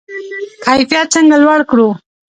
کیفیت څنګه لوړ کړو؟